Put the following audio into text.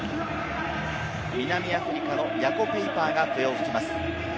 南アフリカのヤコ・ペイパーが笛を吹きます。